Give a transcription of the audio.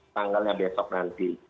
tanggalnya besok nanti